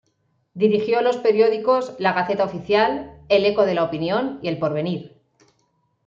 Dirigió los periódicos "La Gaceta Oficial", el "Eco de la Opinión" y "El Porvenir".